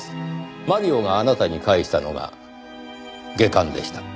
マリオがあなたに返したのが下巻でした。